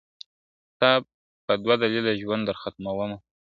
ستا په دوه دلیله ژوند در ختمومه `